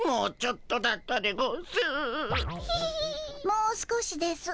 「もう少しです。